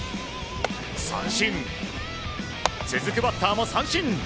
三振、続くバッターも三振。